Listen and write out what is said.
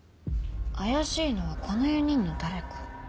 怪しいのはこの４人の誰か。